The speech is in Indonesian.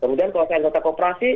kemudian kalau saya anggota kooperasi